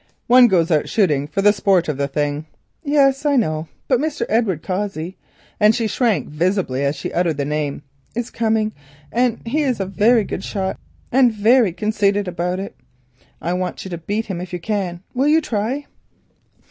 One goes out shooting for the sport of the thing." "Yes, I know, but Mr. Edward Cossey," and she shrank visibly as she uttered the name, "is coming, and he is a very good shot and very conceited about it. I want you to beat him if you can—will you try?"